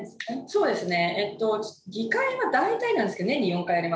そうですね。